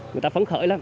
người ta phấn khởi lắm